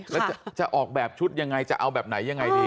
แล้วจะออกแบบชุดยังไงจะเอาแบบไหนยังไงดี